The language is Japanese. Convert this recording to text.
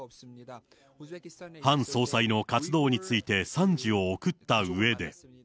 ハン総裁の活動について賛辞を送ったうえで。